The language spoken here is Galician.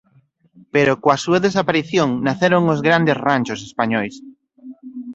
Pero coa súa desaparición naceron os grandes ranchos españois.